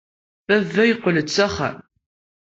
Baba yeqqel-d s axxam.